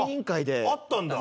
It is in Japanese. あっあったんだ。